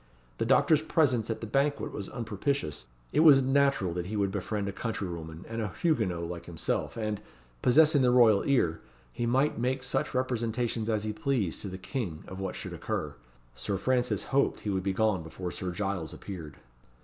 The doctor's presence at the banquet was unpropitious; it was natural he should befriend a countrywoman and a Huguenot like himself, and, possessing the royal ear, he might make such representations as he pleased to the King of what should occur. Sir Francis hoped he would be gone before Sir Giles appeared.